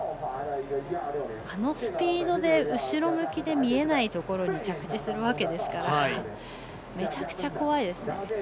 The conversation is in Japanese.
あのスピードで後ろ向きで見えないところに着地するわけですからめちゃくちゃ怖いですね。